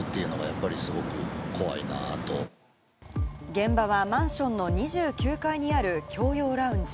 現場はマンションの２９階にある共用ラウンジ。